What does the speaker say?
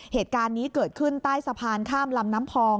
เหตุการณ์นี้เกิดขึ้นใต้สะพานข้ามลำน้ำพอง